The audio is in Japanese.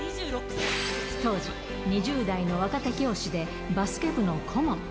当時、２０代の若手教師で、バスケ部の顧問。